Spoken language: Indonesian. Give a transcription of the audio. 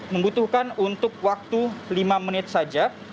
membutuhkan untuk waktu lima menit saja